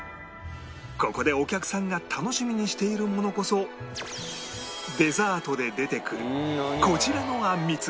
ここでお客さんが楽しみにしているものこそデザートで出てくるこちらのあんみつ